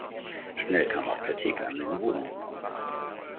Schnell kam auch Kritik an den Wohnungen auf.